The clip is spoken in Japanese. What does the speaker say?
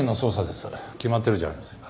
決まってるじゃありませんか。